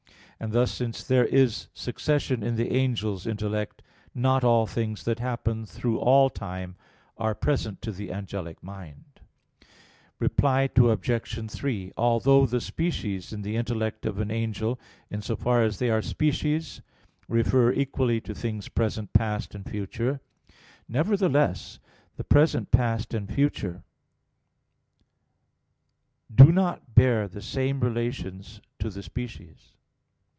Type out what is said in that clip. And thus, since there is succession in the angel's intellect, not all things that happen through all time, are present to the angelic mind. Reply Obj. 3: Although the species in the intellect of an angel, in so far as they are species, refer equally to things present, past, and future; nevertheless the present, past, and future; nevertheless the present, past, and future do not bear the same relations to the species.